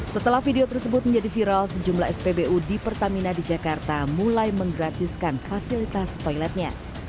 setelah video tersebut menjadi viral sejumlah spbu di pertamina di jakarta mulai menggratiskan fasilitas toiletnya